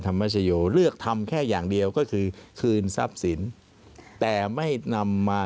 ธรรมชโยเลือกทำแค่อย่างเดียวก็คือคืนทรัพย์สินแต่ไม่นำมา